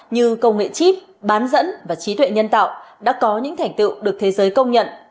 như công nghệ chip bán dẫn và trí tuệ nhân tạo đã có những thành tựu được thế giới công nhận